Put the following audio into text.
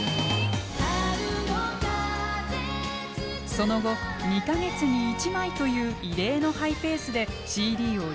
その後２か月に１枚という異例のハイペースでＣＤをリリース。